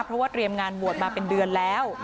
เพราะว่าเตรียมงานบวชมาเป็นเดือนแล้ว